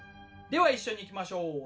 では一緒にいきましょう。